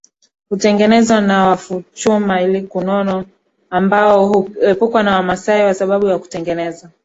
hutengenezwa na wafuachuma ilkunono ambao huepukwa na Wamaasai kwa sababu ya kutengeneza